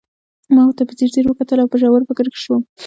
ما ورته په ځیر ځير وکتل او په ژور فکر کې شوم